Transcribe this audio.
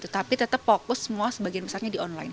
tapi tetap fokus semua sebagian besarnya di online